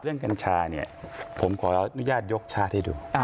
กัญชาเนี่ยผมขออนุญาตยกชาติให้ดู